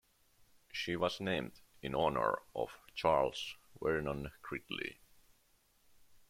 She was named in honor of Charles Vernon Gridley.